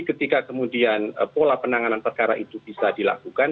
ketika kemudian pola penanganan perkara itu bisa dilakukan